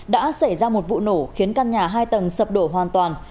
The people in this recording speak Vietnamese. đã xảy ra một vụ nổ khiến căn nhà hai tầng sập đổ hoàn toàn